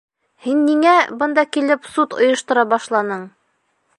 Һин ниңә бында килеп суд ойоштора башланың?